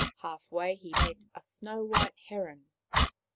Half way he met a snow white heron.